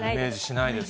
ないです。